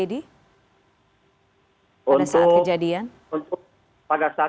ada saat kejadian